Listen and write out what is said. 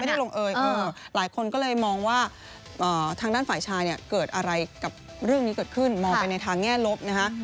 ลงเอยหลายคนก็เลยมองว่าทางด้านฝ่ายชายเนี่ยเกิดอะไรกับเรื่องนี้เกิดขึ้นมองไปในทางแง่ลบนะฮะ